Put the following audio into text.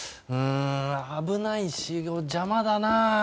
危ないし、邪魔だな。